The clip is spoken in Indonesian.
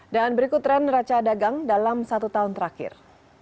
dan berikut tren neraca dagang dalam satu tahun terakhir